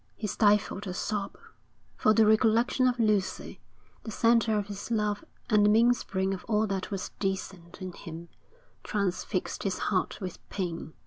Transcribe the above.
He stifled a sob, for the recollection of Lucy, the centre of his love and the mainspring of all that was decent in him, transfixed his heart with pain.